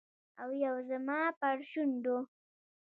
او یو زما پر شونډو